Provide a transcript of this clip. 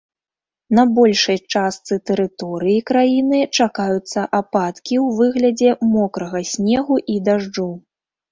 На большай частцы тэрыторыі краіны чакаюцца ападкі ў выглядзе мокрага снегу і дажджу.